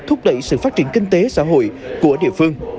thúc đẩy sự phát triển kinh tế xã hội của địa phương